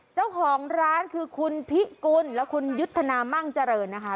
เจ้าของร้านคือคุณพิกุลและคุณยุทธนามั่งเจริญนะคะ